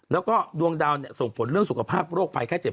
แล้วก็ดวงดาวส่งผลเรื่องสุขภาพโรคภัยไข้เจ็บ